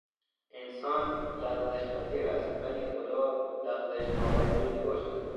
انسان لغزش پذیر است ولی خدا لغزشناپذیر میباشد.